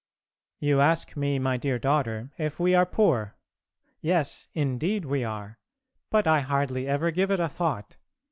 You ask me, my dear daughter, if we are poor. Yes, indeed we are, but I hardly ever give it a thought.